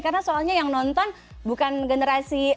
karena soalnya yang nonton bukan generasi